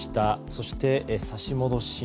そして差し戻し審。